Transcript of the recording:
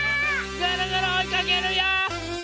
ぐるぐるおいかけるよ！